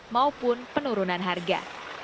ataupun penurunan harga